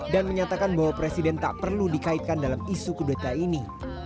dan menyatakan bahwa presiden tak perlu dikaitkan dalam isu kudeta ini